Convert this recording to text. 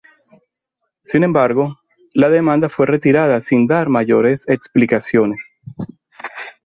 Sin embargo, la demanda fue retirada sin dar mayores explicaciones.